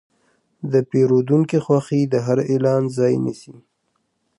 د پیرودونکي خوښي د هر اعلان ځای نیسي.